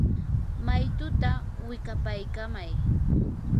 maytutaa wikapaykamay.